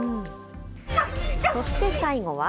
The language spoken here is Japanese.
そして最後は。